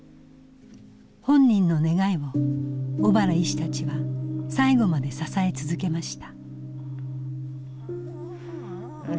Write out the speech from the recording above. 本人の願いを小原医師たちは最後まで支え続けました。